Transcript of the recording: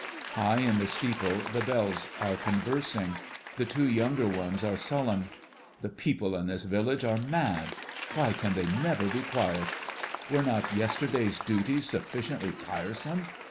High in the steeple the bells are conversing. The two younger ones are sullen. "The people in this village are mad. Why can they never be quiet? Were not yesterday's duties sufficiently tiresome?